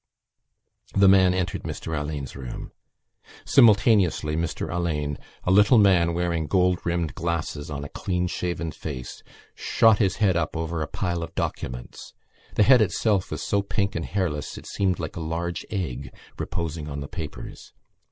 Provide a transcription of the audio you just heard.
The man entered Mr Alleyne's room. Simultaneously Mr Alleyne, a little man wearing gold rimmed glasses on a clean shaven face, shot his head up over a pile of documents. The head itself was so pink and hairless it seemed like a large egg reposing on the papers.